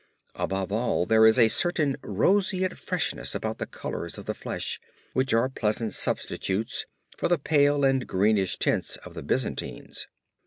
Above all there is a certain roseate freshness about the colors of the flesh which are pleasant substitutes for the pale and greenish tints of the Byzantines.